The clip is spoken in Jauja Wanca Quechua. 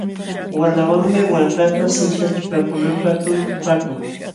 Waqlawanmi waakata sintachipaakunanpaq tuytupaakun.